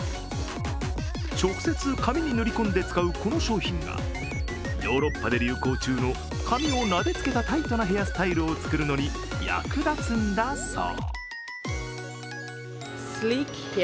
直接、髪に塗り込んで使うこの商品がヨーロッパで流行中の髪をなでつけたタイトなヘアスタイルを作るのに役立つんだそう。